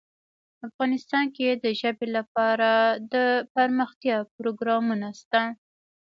افغانستان کې د ژبې لپاره دپرمختیا پروګرامونه شته.